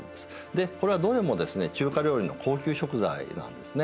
でこれはどれもですね中華料理の高級食材なんですね。